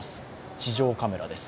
地上カメラです。